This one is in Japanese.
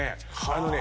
あのね